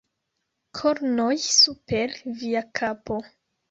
Kornoj super via kapo!